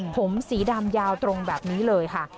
ผมสีดำยาวตรงแบบนี้เลยค่ะ